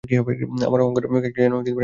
আমার অহংকার কেন এমন হিংস্রমূর্তি ধারণ করিল।